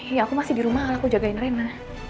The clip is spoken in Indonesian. iya aku masih di rumah aku jagain rena